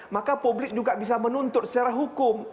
maka publik juga bisa menuntut secara hukum